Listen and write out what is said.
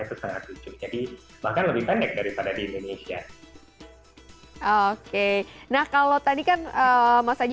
itu sangat lucu jadi bahkan lebih pendek daripada di indonesia oke nah kalau tadi kan mas haji